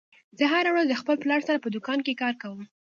زه هره ورځ د خپل پلار سره په دوکان کې کار کوم